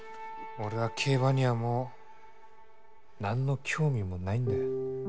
俺は競馬にはもうなんの興味もないんだ。